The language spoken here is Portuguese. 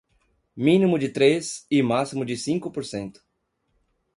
mínimo de três e máximo de cinco por cento